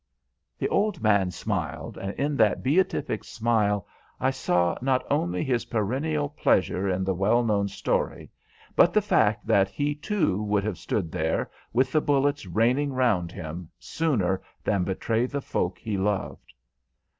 The old man smiled, and in that beatific smile I saw not only his perennial pleasure in the well known story, but the fact that he, too, would have stood there, with the bullets raining round him, sooner than betray the folk he loved.